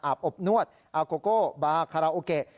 อบนวดอาโกโกบาคาราโอเกะ